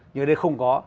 nhưng ở đây không có